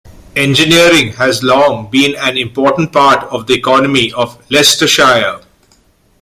Engineering has long been an important part of the economy of Leicestershire.